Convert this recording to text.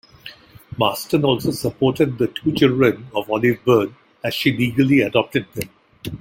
Marston also supported the two children of Olive Byrne as she legally adopted them.